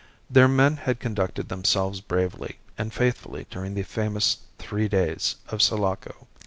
Their men had conducted themselves bravely and faithfully during the famous "three days" of Sulaco.